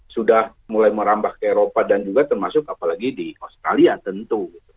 sudah mulai merambah ke eropa dan juga termasuk apalagi di australia tentu